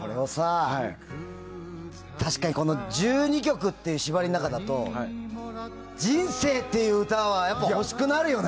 確かに１２曲っていう縛りの中だと人生っていう歌はやっぱり欲しくなるよね。